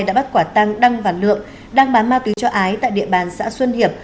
đã bắt quả tăng đăng và lượng đang bán ma túy cho ái tại địa bàn xã xuân hiệp